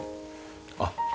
あっ。